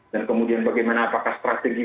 dan kemudian bagaimana apakah strategi